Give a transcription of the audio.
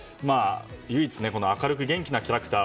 唯一、明るく元気なキャラクター。